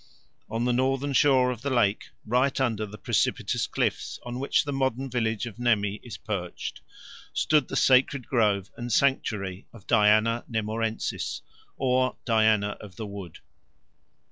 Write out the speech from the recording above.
On the northern shore of the lake, right under the precipitous cliffs on which the modern village of Nemi is perched, stood the sacred grove and sanctuary of Diana Nemorensis, or Diana of the Wood.